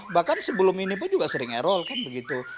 bahkan sebelum ini pun juga sering error kan begitu